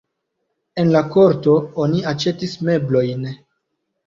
En la korto oni aĉetis meblojn.